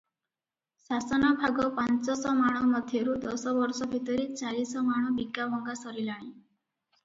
ଶାସନ ଭାଗ ପାଞ୍ଚଶ ମାଣ ମଧ୍ୟରୁ ଦଶ ବର୍ଷ ଭିତରେ ଚାରିଶ ମାଣ ବିକା ଭଙ୍ଗା ସରିଲାଣି ।